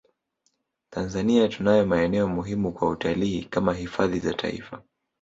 Tanzania tunayo maeneo muhimu kwa utalii kama hifadhi za taifa